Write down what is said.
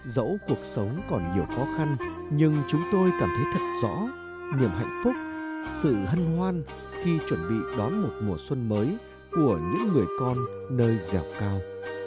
dẫu cuộc sống còn nhiều khó khăn nhưng chúng tôi cảm thấy thật rõ niềm hạnh phúc sự hân hoan khi chuẩn bị đón một mùa xuân mới của những người con nơi dẻo cao